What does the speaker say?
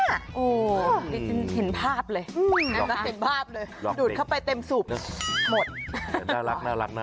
โอ๊ยเห็นภาพเลยดูดเข้าไปเต็มสูบหมดดูดน่ารัก